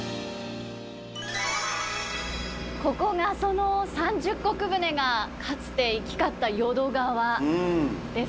ここがその三十石船がかつて行き交った淀川ですね。